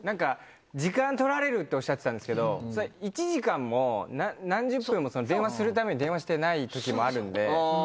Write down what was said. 「時間取られる」っておっしゃってたんですけど１時間も何十分も電話するために電話してない時もあるんで。